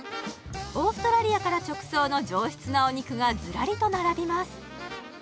オーストラリアから直送の上質なお肉がズラリと並びます